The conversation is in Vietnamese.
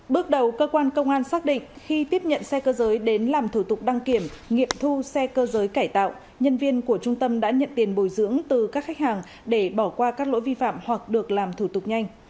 bước đầu cơ quan công an xác định khi tiếp nhận xe cơ giới đến làm thủ tục đăng kiểm nghiệm thu xe cơ giới cải tạo nhân viên của trung tâm đã nhận tiền bồi dưỡng từ các khách hàng để bỏ qua các lỗi vi phạm hoặc được làm thủ tục nhanh